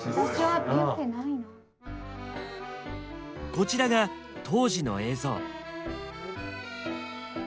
こちらが当時の映像。